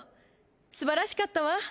すばらしかったわ。